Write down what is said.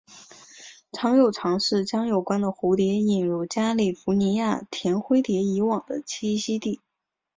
曾有尝试将有关的蝴蝶引入加利福尼亚甜灰蝶以往的栖息地。